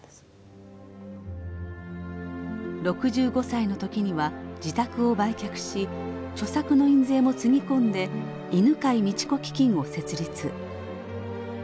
６５歳の時には自宅を売却し著作の印税もつぎ込んで犬養道子基金を設立。